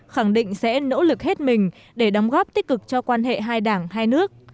khẳng định sẽ nỗ lực hết mình để đóng góp tích cực cho quan hệ hai đảng hai nước